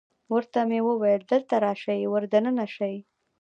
ورته مې وویل: دلته راشئ، ور دننه شئ.